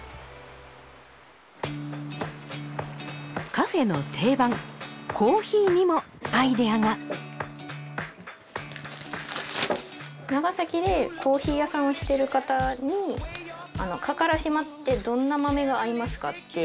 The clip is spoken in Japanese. カフェの定番コーヒーにもアイデアが長崎でコーヒー屋さんをしてる方に「加唐島ってどんな豆が合いますか？」って